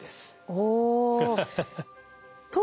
お。